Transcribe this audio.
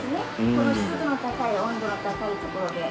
この湿度の高い温度の高い所で。